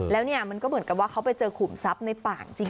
แล้วเนี่ยมันก็เหมือนกับว่าเขาไปเจอขุมทรัพย์ในป่าจริง